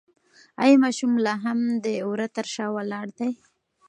ایا ماشوم لا هم د وره تر شا ولاړ دی؟